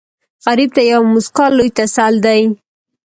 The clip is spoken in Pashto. غریب ته یوه موسکا لوی تسل دی